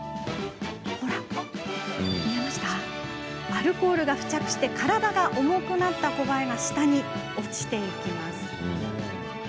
アルコールが付着して体が重くなったコバエが下に落ちていきます。